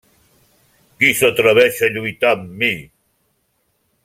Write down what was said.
Qui s'atreveix a lluitar amb mi?